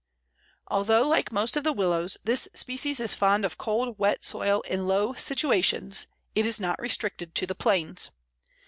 Although, like most of the Willows, this species is fond of cold, wet soil in low situations, it is not restricted to the plains.